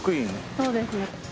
そうですね。